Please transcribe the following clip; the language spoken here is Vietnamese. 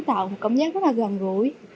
nó tạo một công giác rất là gần gũi